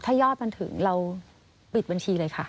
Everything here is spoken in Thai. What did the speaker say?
ถ้ายอดมันถึงเราปิดบัญชีเลยค่ะ